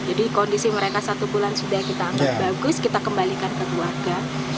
jadi kondisi mereka satu bulan sudah kita ambil bagus kita kembalikan ke keluarga